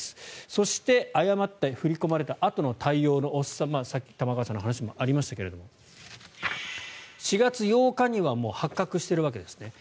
そして誤って振り込まれたあとの対応の遅ささっき玉川さんの話にもありましたが４月８日にはもう発覚しているわけですね。